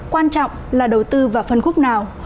quan trọng là đầu tư vào phân khúc nào